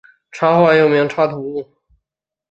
插画又称插图。